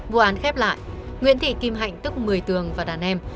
vụ án khép lại nguyễn thị kim hạnh tức một mươi tường và đàn em